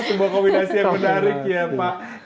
sebuah kombinasi yang menarik ya pak